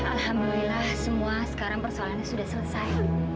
alhamdulillah semua sekarang persoalannya sudah selesai